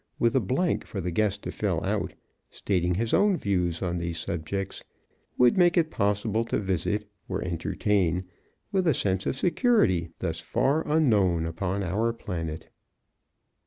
with a blank for the guest to fill out, stating his own views on these subjects, would make it possible to visit (or entertain) with a sense of security thus far unknown upon our planet.